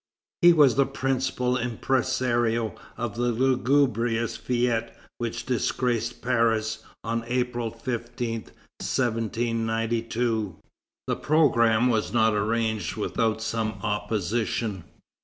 He was the principal impresario of the lugubrious fête which disgraced Paris on April 15, 1792. The programme was not arranged without some opposition.